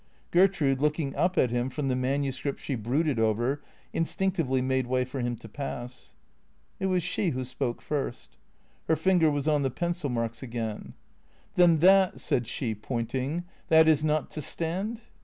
Gertrude, looking up at him from the manuscript she brooded over, instinctively made way for him to pass. It was she who spoke first. Her finger was on the pencil marks again. '" Then that," said she, pointing, " that is not to stand